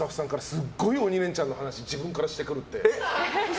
すごい「鬼レンチャン」の話自分からしてくるって。